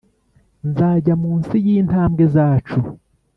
nzajya munsi yintambwe zacu